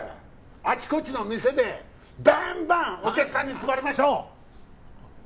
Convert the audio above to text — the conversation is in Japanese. あちこちの店でバンバンお客さんに配りましょう